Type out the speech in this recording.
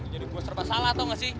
jadi gua serba salah tau gak sih